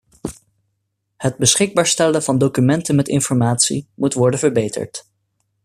Het beschikbaar stellen van documenten met informatie moet worden verbeterd.